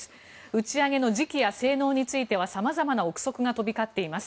打ち上げの時期や性能については様々な臆測が飛び交っています。